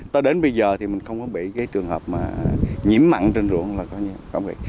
tới đến bây giờ thì mình không có bị cái trường hợp mà nhiễm mặn trên ruộng là có gì